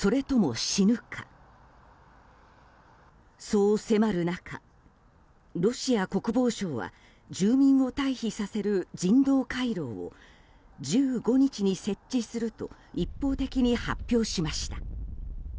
そう迫る中、ロシア国防省は住民を退避させる人道回廊を１５日に設置すると一方的に発表しました。